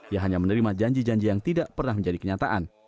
ia hanya menerima janji janji yang tidak pernah menjadi kenyataan